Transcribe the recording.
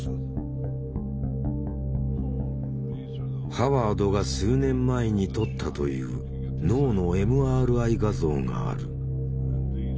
ハワードが数年前に撮ったという脳のＭＲＩ画像がある。